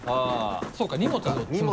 そうか荷物ある。